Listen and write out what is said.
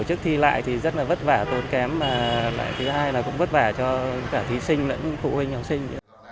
tổ chức thi lại thì rất là vất vả tốn kém và lại thứ hai là cũng vất vả cho cả thí sinh lẫn phụ huynh học sinh